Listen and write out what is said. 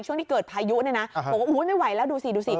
ช่วงที่เกิดพายุนี่นะบอกว่าไม่ไหวแล้วดูสิ